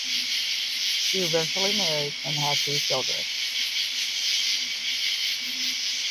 She eventually married and had two children.